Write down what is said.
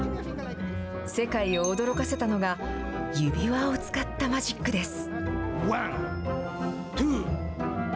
世界を驚かせたのが、指輪を使ったマジックです。